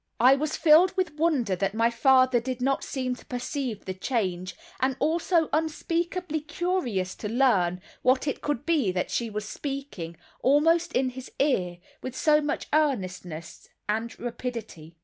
I was filled with wonder that my father did not seem to perceive the change, and also unspeakably curious to learn what it could be that she was speaking, almost in his ear, with so much earnestness and rapidity.